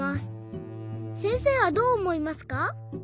せんせいはどうおもいますか？